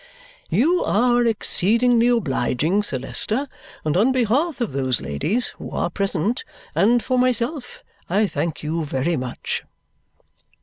"You are exceedingly obliging, Sir Leicester, and on behalf of those ladies (who are present) and for myself, I thank you very much."